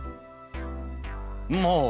もう！